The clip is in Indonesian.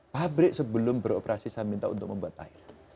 pabrik sebelum beroperasi saya minta untuk membuat air